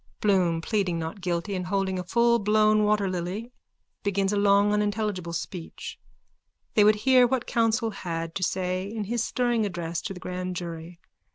_(Bloom, pleading not guilty and holding a fullblown waterlily, begins a long unintelligible speech. They would hear what counsel had to say in his stirring address to the grand jury.